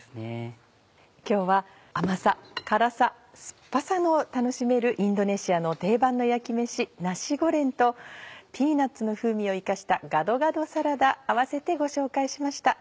今日は甘さ辛さ酸っぱさも楽しめるインドネシアの定番の焼き飯「ナシゴレン」とピーナッツの風味を生かしたガドガドサラダ併せてご紹介しました。